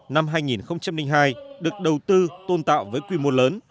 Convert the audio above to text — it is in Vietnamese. năm hai nghìn hai được đầu tư tôn tạo với quy mô lớn